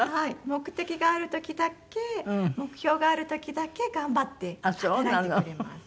目的がある時だけ目標がある時だけ頑張って働いてくれます。